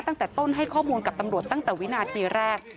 ตั้งแต่ต้นให้ข้อมูลกับตำรวจตั้งแต่วินาทีแรก